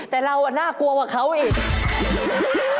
แต่เราน่ากลัวกว่าเขาอีก